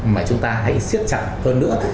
mà chúng ta hãy siết chặt hơn nữa